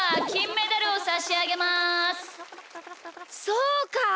そうか！